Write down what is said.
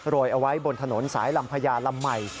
เอาไว้บนถนนสายลำพญาลำใหม่